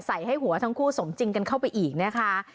ใส่ให้หัวทั้งคู่สมจริงกันเข้าไปอีกนะคะ